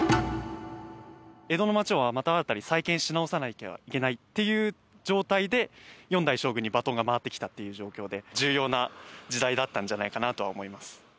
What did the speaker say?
江戸の街をまた新たに再建し直さなきゃいけないっていう状態で４代将軍にバトンが回ってきたっていう状況で重要な時代だったんじゃないかなとは思います。